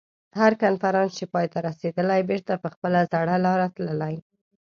هر کنفرانس چې پای ته رسېدلی بېرته په خپله زړه لاره تللي.